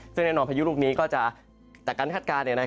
ซึ่งแน่นอนพายุลูกนี้ก็จะจากการคาดการณ์